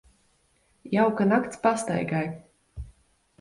Jauka nakts pastaigai.